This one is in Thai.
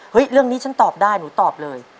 เรื่องนี้ฉันตอบได้หนูตอบเลย